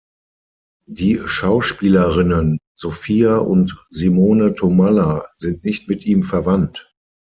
Die Schauspielerinnen Sophia und Simone Thomalla sind nicht mit ihm verwandt.